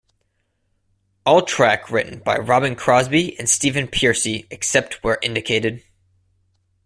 All track written by Robbin Crosby and Stephen Pearcy, except where indicated.